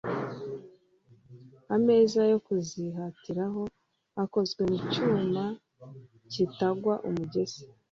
ameza yo kuzikatiraho akozwe mu cyuma kitagwa umugese